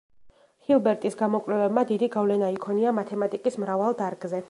ჰილბერტის გამოკვლევებმა დიდი გავლენა იქონია მათემატიკის მრავალ დარგზე.